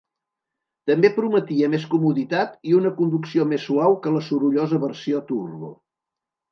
També prometia més comoditat i una conducció més suau que la sorollosa versió turbo.